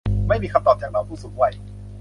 ไม่มีคำตอบจากเหล่าผู้สูงวัย